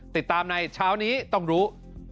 ติดตามในเช้านี้ต้องรู้